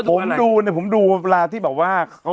ผมดูเนี่ยผมดูเวลาที่แบบว่า